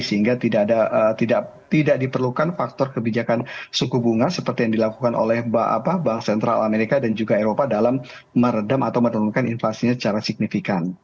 sehingga tidak diperlukan faktor kebijakan suku bunga seperti yang dilakukan oleh bank sentral amerika dan juga eropa dalam meredam atau menurunkan inflasinya secara signifikan